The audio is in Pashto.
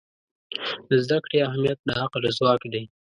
د زده کړې اهمیت د عقل ځواک دی.